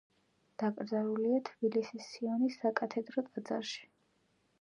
დაკრძალულია თბილისის სიონის საკათედრო ტაძარში.